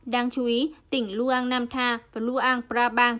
đáng chú ý tỉnh luang nam tha và luang prabang